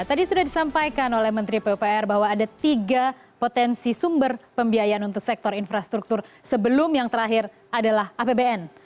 tadi sudah disampaikan oleh menteri pupr bahwa ada tiga potensi sumber pembiayaan untuk sektor infrastruktur sebelum yang terakhir adalah apbn